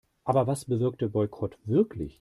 Aber was bewirkt der Boykott wirklich?